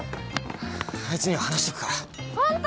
あいつには話しておくからホント！？